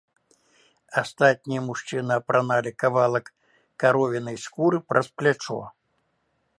Астатнія мужчыны апраналі кавалак каровінай скуры праз плячо.